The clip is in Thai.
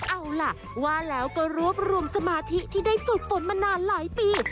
เอาล่ะว่าแล้วก็รวบรวมสมาธิที่ได้ฝึกฝนมานานหลายปี